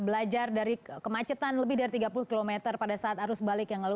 belajar dari kemacetan lebih dari tiga puluh km pada saat arus balik yang lalu